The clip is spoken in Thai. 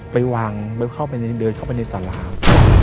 ไปวางเดินเข้าไปในสลาง